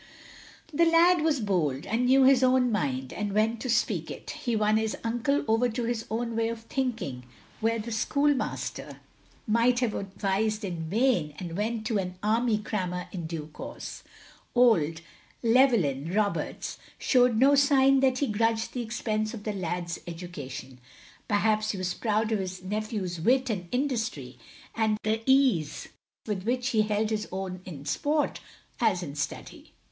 The lad was bold, and knew his own mind, and when to speak it. He won his uncle over to his own way of thinking, where the schoolmaster 40 THE LONELY LADY might have advised in vain, and went to an army crammer in due course; old Llewell)ni Roberts showing no signs that he grudged the expense of the lad's education. Perhaps he was proud of his nephew's wit and industry, and the ease with which he held his own in sport as in study.